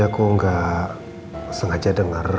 aku gak sengaja denger